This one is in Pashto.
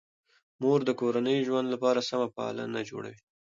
مور د کورني ژوند لپاره سمه پالن جوړوي.